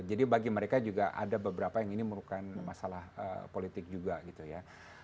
jadi bagi mereka juga ada beberapa yang ini merupakan masalah politik juga gitu ya